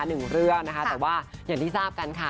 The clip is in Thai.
หนึ่งเรื่องนะคะแต่ว่าอย่างที่ทราบกันค่ะ